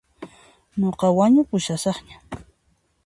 Nuqa ñaupashasaqña.